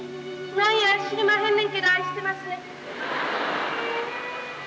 何や知りまへんねんけど愛してまっせ。